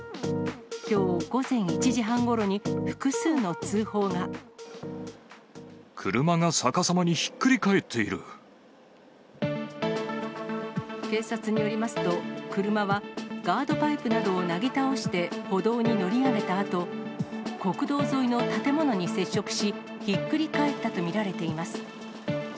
きょう午前１時半ごろに、複数の車が逆さまにひっくり返って警察によりますと、車はガードパイプなどをなぎ倒して歩道に乗り上げたあと、国道沿いの建物に接触し、ひっくり返ったと見られています。